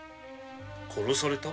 殺された？